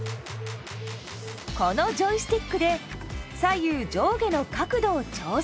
このジョイスティックで左右上下の角度を調整。